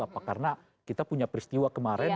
apa karena kita punya peristiwa kemarin